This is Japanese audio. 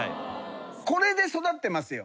これで育ってますよ。